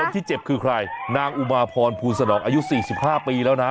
ที่เจ็บคือใครนางอุมาพรภูลสนองอายุ๔๕ปีแล้วนะ